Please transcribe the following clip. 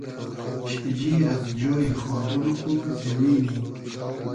شیجیر از جۉی خۉدۉن خو , زیمینی